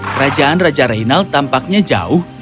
kerajaan raja reinal tampaknya jauh